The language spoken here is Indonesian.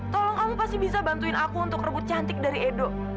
tolong kamu pasti bisa bantuin aku untuk rebut cantik dari edo